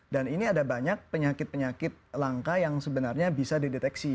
dan ini ada banyak penyakit penyakit langka yang sebenarnya bisa dideteksi